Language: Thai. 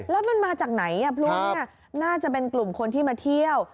แล้วมันมาจากไหนเพราะว่าน่าจะเป็นกลุ่มคนที่มาเที่ยว